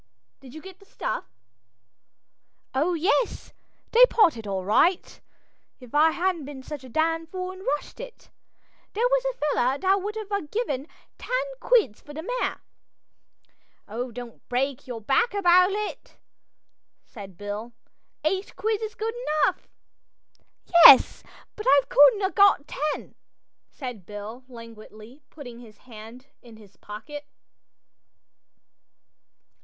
Did you get the stuff?" "Oh, yes. They parted all right. If I hadn't been such a dam' fool an' rushed it, there was a feller that would 'a' given ten quid for that mare." "Well, don't break yer back about it," said Bill. "Eight is good enough." "Yes. But I could 'a' got ten," said Jim, languidly, putting his hand in his pocket.